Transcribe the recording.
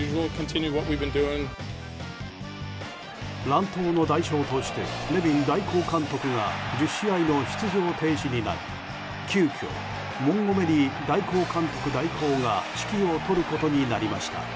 乱闘の代表としてネビン代行監督が１０試合の出場停止になり急きょモンゴメリー代行監督代行が指揮を執ることになりました。